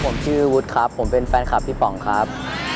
ผมชื่อวุฒิครับผมเป็นแฟนคลับพี่ป๋องครับ